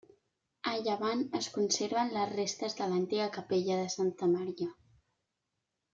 A llevant es conserven les restes de l'antiga capella de santa Maria.